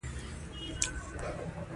پیاز د خوړو ښه ملګری دی